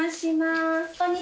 こんにちは。